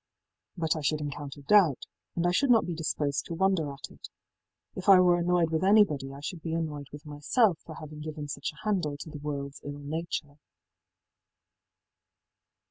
But I should encounter doubt, and I should not be disposed to wonder at it. If I were annoyed with anybody I should be annoyed with myself for having given such a handle to the worldís ill nature.